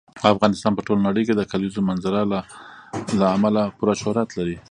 افغانستان په ټوله نړۍ کې د کلیزو منظره له امله پوره شهرت لري.